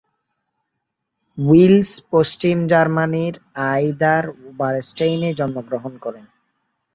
Willis পশ্চিম জার্মানির আইদার-ওবারস্টেইনে জন্মগ্রহণ করেন।